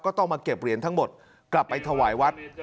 ต้องมาเก็บเหรียญทั้งหมดกลับไปถวายวัด